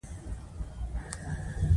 آیا لیتیم د راتلونکي تیل دي؟